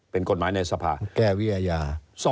เป็นกฎหมายในสภา